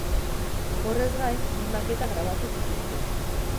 Horrez gain, bi maketa grabatu zituzten.